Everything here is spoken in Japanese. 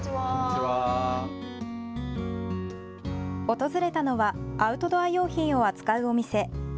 訪れたのはアウトドア用品を扱うお店。